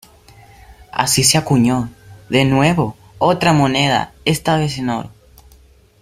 Así se acuñó, de nuevo, otra moneda, esta vez en oro.